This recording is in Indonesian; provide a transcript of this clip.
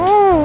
inget ini kan